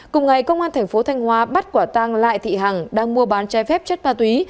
cùng ngày công an thành phố thanh hóa bắt quả tang lại thị hằng đang mua bán trái phép chất ma túy